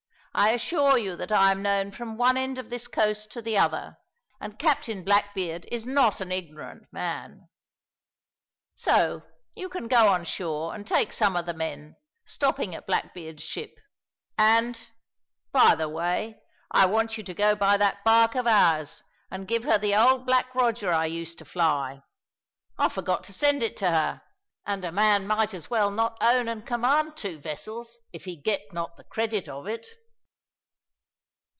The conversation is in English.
I assure you that I am known from one end of this coast to the other, and Captain Blackbeard is not an ignorant man. So you can go ashore and take some of the men, stopping at Blackbeard's ship. And, by the way, I want you to go by that bark of ours and give her the old black Roger I used to fly. I forgot to send it to her, and a man might as well not own and command two vessels if he get not the credit of it."